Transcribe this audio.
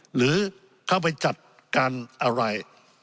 หรือเข้าไปจัดการอะไร